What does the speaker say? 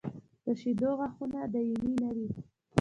د شېدو غاښونه دایمي نه وي.